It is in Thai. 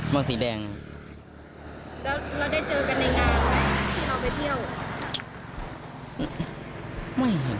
ไม่เห็น